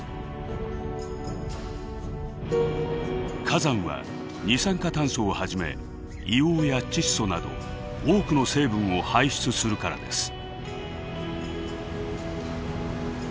火山は二酸化炭素をはじめ硫黄や窒素など多くの成分を排出するからです。